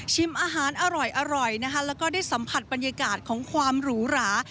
อาหารอร่อยนะคะแล้วก็ได้สัมผัสบรรยากาศของความหรูหรา